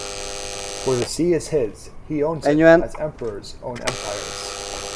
For the sea is his; he owns it, as Emperors own empires.